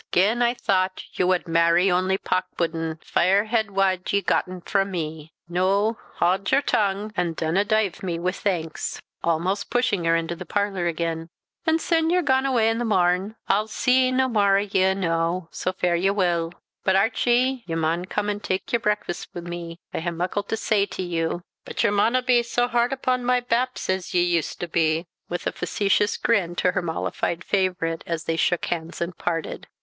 Gin I thought ye wad mairry ony pock puddin', fient haed wad ye hae gotten frae me. Noo, had ye're tongue, and dinna deive me wi' thanks," almost pushing her into the parlour again; "and sin ye're gaun awa the morn, I'll see nae mair o' ye enoo so fare ye weel. But, Archie, ye maun come an' tak your breakfast wi' me. I hae muckle to say to you; but ye manna be sae hard upon my baps as ye used to be," with a facetious grin to her mollified favourite, as they shook hands and parted.